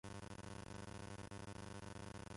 京都府伊根町